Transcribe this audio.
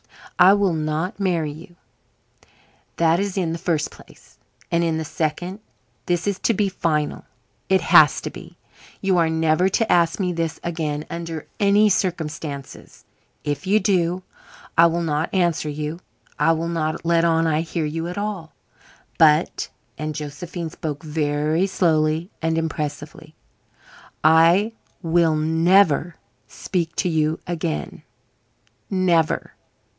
I will not marry you. That is in the first place. And in the second, this is to be final. It has to be. You are never to ask me this again under any circumstances. If you do I will not answer you I will not let on I hear you at all; but (and Josephine spoke very slowly and impressively) I will never speak to you again never.